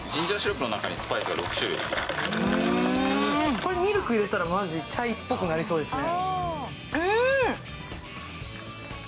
これ、ミルクを入れたらチャイっぽくなりそうですね。